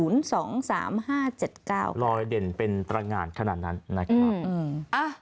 รอยเด่นเป็นตรงานขนาดนั้นนะครับ